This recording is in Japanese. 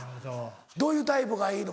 どういうタイプがいいの？